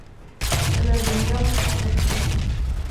فَلَا دُنْيَاهُمْ أَصَبْتُمْ